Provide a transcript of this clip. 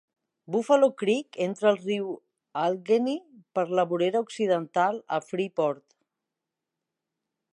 Buffalo Creek entra al riu Allegheny per la vorera occidental a Freeport.